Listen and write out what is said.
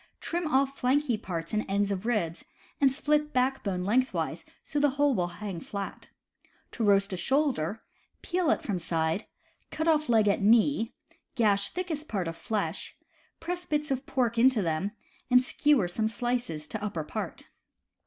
Trim off flanky parts and ends of ribs, and split backbone lengthwise so that the whole wifl hang flat. To roast a shoulder, peel it from side, cut off leg at knee, gash thickest part of flesh, press bits of pork into them, and skewer some slices to upper part.